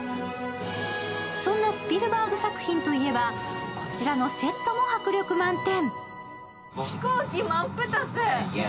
そんなスピルバーグ作品といえば、こちらのセットも迫力満点。